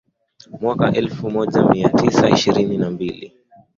Mwaka elfu moja mia tisa ishirini na mbili